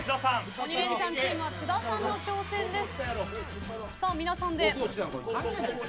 鬼レンチャンチームは津田さんの挑戦です。